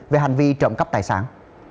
về hành vi trộm cắp tài sản